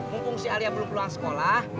mumpung si alia belum pulang sekolah